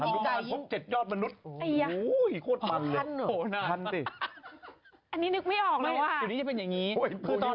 นี่จะเป็นอย่างนี้ชั้นพี่ม่านพบ๗ยอดมนุษย์